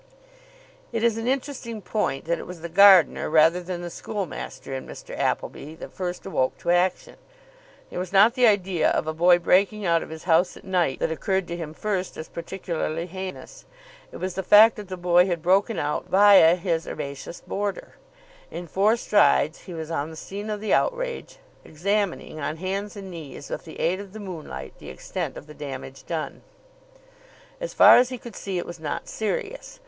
It is an interesting point that it was the gardener rather than the schoolmaster in Mr. Appleby that first awoke to action. It was not the idea of a boy breaking out of his house at night that occurred to him first as particularly heinous; it was the fact that the boy had broken out via his herbaceous border. In four strides he was on the scene of the outrage, examining, on hands and knees, with the aid of the moonlight, the extent of the damage done. As far as he could see, it was not serious.